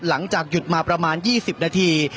หลังจากหยุดมาประมาณ๒๐นาที